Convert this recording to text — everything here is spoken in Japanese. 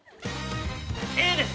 Ａです！